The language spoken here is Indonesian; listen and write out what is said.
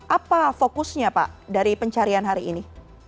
apa fokusnya pak dari pencarian hari ini